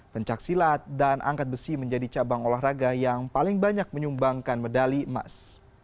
pencaksilat dan angkat besi menjadi cabang olahraga yang paling banyak menyumbangkan medali emas